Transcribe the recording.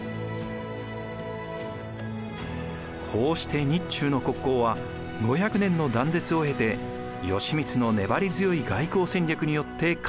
こうして日中の国交は５００年の断絶を経て義満の粘り強い外交戦略によって回復したのでした。